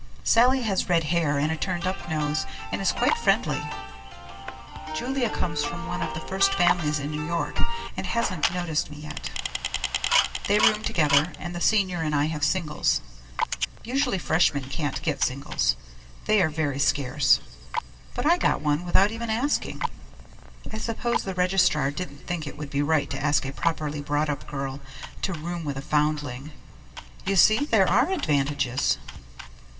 Sallie has red hair and a turn up nose and is quite friendly; Julia comes from one of the first families in New York and hasn't noticed me yet. They room together and the Senior and I have singles. Usually Freshmen can't get singles; they are very scarce, but I got one without even asking. I suppose the registrar didn't think it would be right to ask a properly brought up girl to room with a foundling. You see there are advantages!